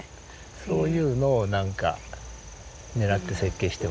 そういうのをなんかねらって設計してますね。